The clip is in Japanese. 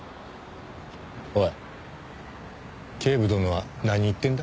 おい警部殿は何言ってるんだ？